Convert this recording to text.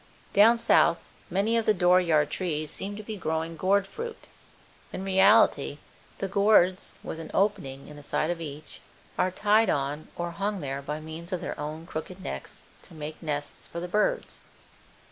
Down south many of the door yard trees seem to be growing gourd fruit. In reality the gourds (with an opening in the side of each) are tied on or hung there by means of their own crooked necks to make nests for the birds.